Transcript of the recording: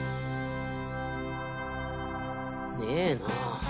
ねえなぁ。